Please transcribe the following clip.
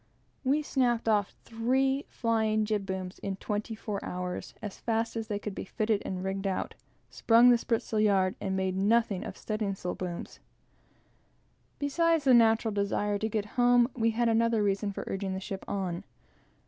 We snapped off three flying jib booms in twenty four hours, as fast as they could be fitted and rigged out; sprung the spritsail yard; and made nothing of studding sail booms. Beside the natural desire to get home, we had another reason for urging the ship on.